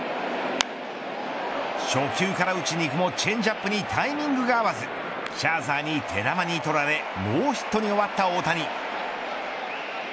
初球から打ちにいくもチェンジアップにタイミングが合わずシャーザーに手玉に取られノーヒットに終わった大谷。